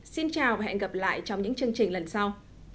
xin chào và hẹn gặp lại trong những chương trình lần sau